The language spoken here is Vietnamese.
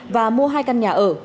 và mua hai căn nhà ở